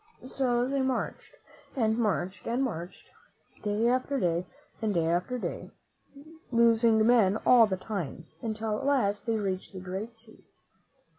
So they marched, and marched, and marched, day after day, and day after day, losing men all the time, until at last they reached the great sea.